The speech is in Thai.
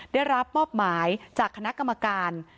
ได้รับมอบหมายจากคณะกรรมการ